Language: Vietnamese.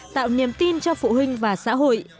tạo niềm tin cho phụ huynh và xã hội